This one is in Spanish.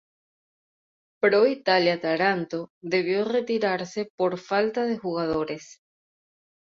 Pro Italia Taranto debió retirase por falta de jugadores.